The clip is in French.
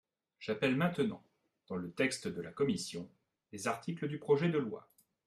J’appelle maintenant, dans le texte de la commission, les articles du projet de loi.